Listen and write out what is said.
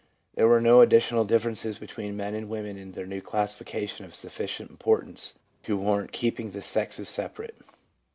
There were no additional differences between men and women in the new classification of sufficient importance to warrant keeping the sexes separate.